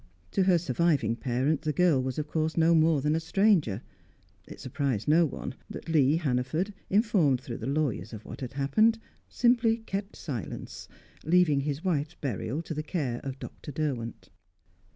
To her surviving parent, the girl was of course no more than a stranger. It surprised no one that Lee Hannaford, informed through the lawyers of what had happened, simply kept silence, leaving his wife's burial to the care of Dr. Derwent.